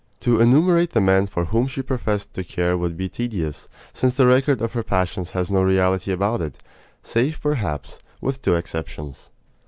To enumerate the men for whom she professed to care would be tedious, since the record of her passions has no reality about it, save, perhaps, with two exceptions.